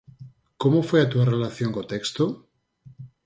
Como foi a túa relación co texto?